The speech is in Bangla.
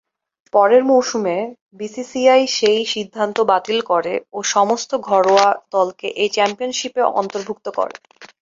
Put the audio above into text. পরের মৌসুমে, বিসিসিআই সেই সিদ্ধান্ত বাতিল করে ও সমস্ত ঘরোয়া দলকে এই চ্যাম্পিয়নশিপে অন্তর্ভুক্ত করে।